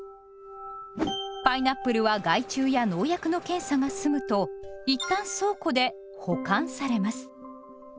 パイナップルは害虫や農薬の検査が済むと一旦倉庫で「保管」されます。